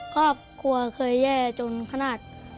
ครอบครัวเคยแย่จนขนาด